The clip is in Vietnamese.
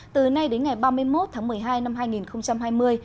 từ nay đến ngày ba mươi một tháng một mươi hai năm hai nghìn hai mươi